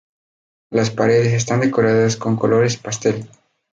Las paredes están decoradas con colores pastel.